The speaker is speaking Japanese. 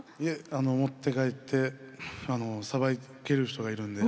あの持って帰ってあのさばける人がいるんで。